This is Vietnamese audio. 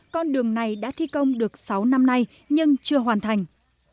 con đường này đã thi công được sáu năm nay nhưng chưa hoàn thành